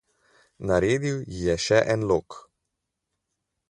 Naredil ji je še en lok.